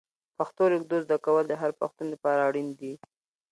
پښتو لیکدود زده کول د هر پښتون لپاره اړین دي.